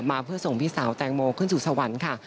มาเพื่อส่งพี่สาวแตงโมขึ้นสู่สวรรค์ค่ะ